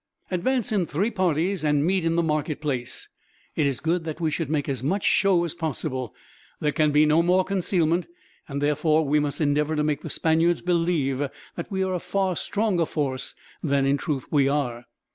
"Advance in three parties, and meet in the marketplace. It is good that we should make as much show as possible. There can be no more concealment and, therefore, we must endeavor to make the Spaniards believe that we are a far stronger force than, in truth, we are."